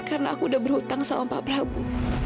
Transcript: karena aku udah berhutang sama pak prabu